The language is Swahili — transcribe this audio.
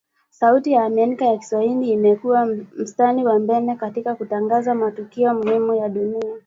Sauti ya Amerika ya kiswahili imekua mstari wa mbele katika kutangaza matukio muhimu ya dunia